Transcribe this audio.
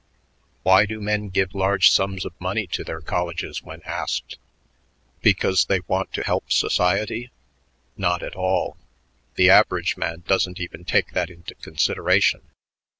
"Why do men give large sums of money to their colleges when asked? Because they want to help society? Not at all. The average man doesn't even take that into consideration.